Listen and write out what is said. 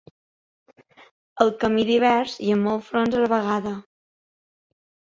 El camí divers i en molts fronts a la vegada.